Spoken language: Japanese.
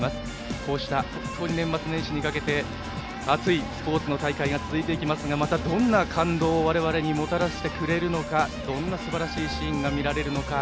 こうした年末年始にかけて熱いスポーツの大会が続いていきますがまた、どんな感動を我々にもたらしてくれるのかどんなすばらしいシーンが見られるのか。